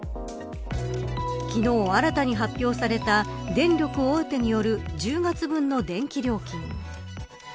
昨日、新たに発表された電力大手による１０月分の電気料金。